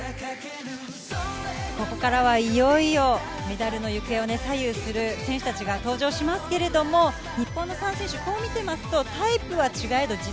ここからはいよいよメダルの行方を左右する選手たちが登場しますけれども、日本の３選手、タイプは違えど